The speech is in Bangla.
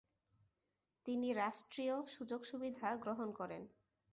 তিনি রাষ্ট্রীয় সুযোগ সুবিধা গ্রহণ করেন।